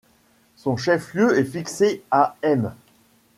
Son chef-lieu est fixé à Aime.